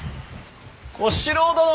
小四郎殿。